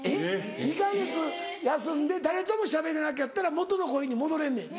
２か月休んで誰ともしゃべらなかったらもとの声に戻れんねん。